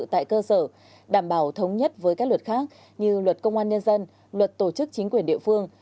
tại cơ sở đảm bảo thống nhất với các luật khác như luật công an nhân dân luật tổ chức chính quyền địa phương